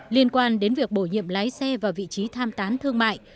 liên quan đến việc bổ nhiệm lái xe vào vị trí tham tán thương mại